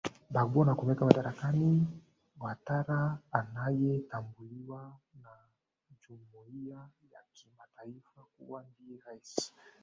bagbo na kumweka madarakani watara anayetambuliwa na jumuiya ya kimataifa kuwa ndiye rais